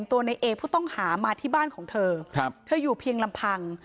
ตัวในเอผู้ต้องหามาที่บ้านของเธอเธออยู่เพียงลำพัง